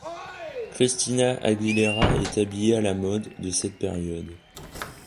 Christina Aguilera est habillée à la mode de cette période.